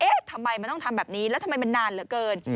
ทำไมมันต้องทำแบบนี้แล้วทำไมมันนานเหลือเกิน